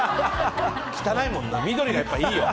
汚いもん、緑がいいわ。